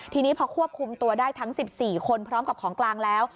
ทีนี้พอควบคุมตัวได้ทั้ง๑๔คนพร้อมกับของกลางแล้ว